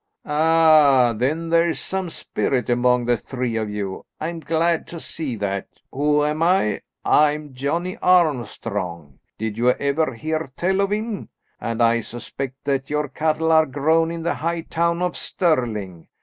"Ah, then there's some spirit among the three of you. I am glad to see that. Who am I? I am Johnny Armstrong. Did you ever hear tell of him? And I suspect that your cattle are grown in the high town of Stirling.